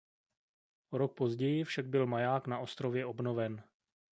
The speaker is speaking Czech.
O rok později však byl maják na ostrově obnoven.